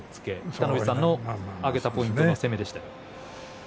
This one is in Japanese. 北の富士さんの挙げたポイントの攻めでした。